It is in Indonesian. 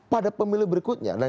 pada pemilih berikutnya